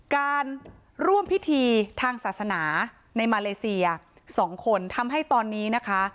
การร่วมพิธีทางศาสนาในมาเลเซีย๒คนทำให้ตอนนี้นะคะ